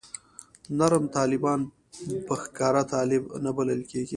نرم طالبان په ښکاره طالب نه بلل کېږي.